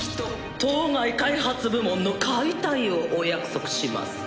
当該開発部門の解体をお約束します。